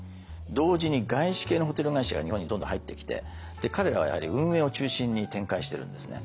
同時に外資系のホテル会社が日本にどんどん入ってきて彼らはやはり運営を中心に展開しているんですね。